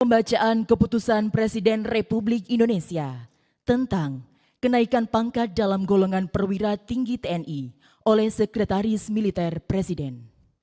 pembacaan keputusan presiden republik indonesia tentang kenaikan pangkat dalam golongan perwira tinggi tni oleh sekretaris militer presiden